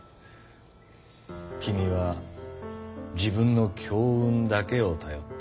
君は自分の「強運」だけを頼った。